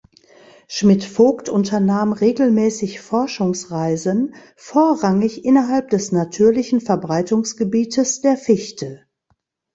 Schmidt-Vogt unternahm regelmäßig Forschungsreisen, vorrangig innerhalb des natürlichen Verbreitungsgebietes der Fichte.